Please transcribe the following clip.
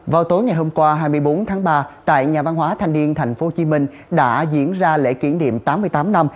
vào tối ngày hôm qua hai mươi bốn tháng ba tại nhà văn hóa thanh niên tp hcm đã diễn ra lễ kỷ niệm tám mươi tám năm